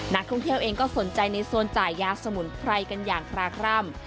นักท่องเที่ยวเองก็สนใจในโซนจ่ายยาสมุนไพรกันอย่างคลาคร่ำ